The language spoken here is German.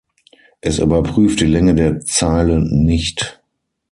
Es überprüft die Länge der Zeile nicht.